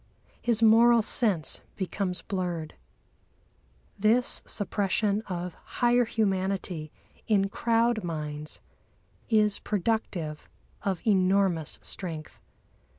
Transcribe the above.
His moral sense becomes blurred. This suppression of higher humanity in crowd minds is productive of enormous strength.